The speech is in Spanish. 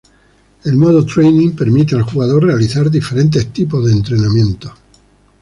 El modo Training permite al jugador realizar diferentes tipo de entrenamiento.